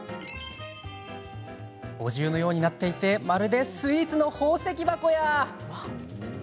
お重のようになっていて、まるでスイーツの宝石箱や。